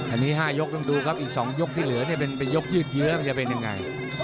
อันนี้๕ยกต้องดูครับอีก๒ยกที่เหลือเนี่ยเป็นยกยืดเยื้อมันจะเป็นยังไง